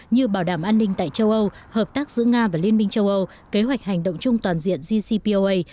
như bảo đảm an ninh tại châu âu hợp tác giữa nga và liên minh châu âu kế hoạch hành động chung toàn diện gcpoa